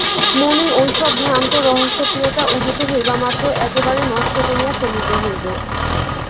মনে ঐ-সব ভ্রান্ত রহস্যপ্রিয়তা উদিত হইবামাত্র একেবারে নষ্ট করিয়া ফেলিতে হইবে।